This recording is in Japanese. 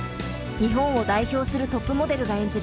日本を代表するトップモデルが演じる